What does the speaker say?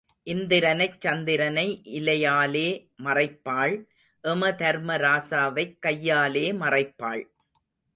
இந்திரனைச் சந்திரனை இலையாலே மறைப்பாள் எமதர்ம ராசாவைக் கையாலே மறைப்பாள்.